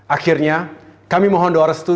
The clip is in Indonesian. akhirnya kami mohon doa restu